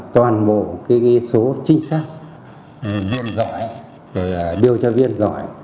toàn bộ số trinh sát viên giỏi điều tra viên giỏi